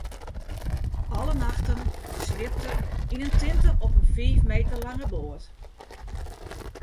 Alle nachten sliept er yn in tinte op in fiif meter lange boat.